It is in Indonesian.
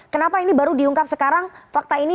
kenapa ini baru diungkap sekarang fakta ini